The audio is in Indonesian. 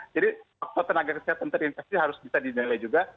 jadi waktu tenaga kesehatan terinfeksi harus bisa dinilai juga